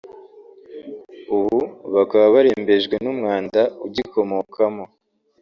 ubu bakaba barembejwe n’umwanda ugikomokamo